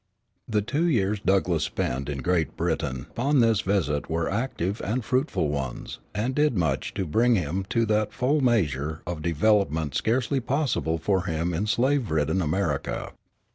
The two years Douglass spent in Great Britain upon this visit were active and fruitful ones, and did much to bring him to that full measure of development scarcely possible for him in slave ridden America.